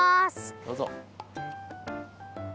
どうぞ。